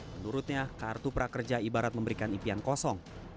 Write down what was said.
menurutnya kartu prakerja ibarat memberikan impian kosong